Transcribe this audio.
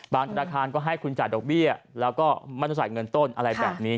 ธนาคารก็ให้คุณจ่ายดอกเบี้ยแล้วก็ไม่ได้จ่ายเงินต้นอะไรแบบนี้